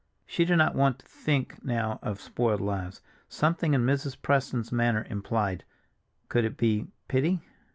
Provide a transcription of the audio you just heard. She did not want to think now of spoiled lives. Something in Mrs. Preston's manner implied—could it be pity?